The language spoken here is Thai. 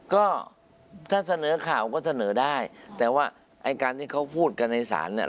ก็ถ้าเสนอข่าวก็เสนอได้แต่ว่าไอ้การที่เขาพูดกันในศาลเนี่ย